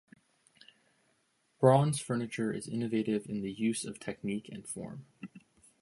Broun's furniture is innovative in the use of technique and form.